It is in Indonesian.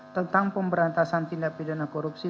tentang pemberantasan tindak pidana korupsi